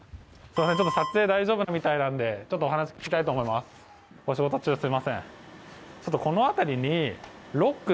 撮影大丈夫みたいなんでちょっとお話聞きたいと思います。